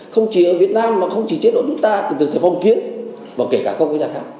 không chỉ ở việt nam mà không chỉ chế độ nước ta kể từ phong kiến và kể cả các quốc gia khác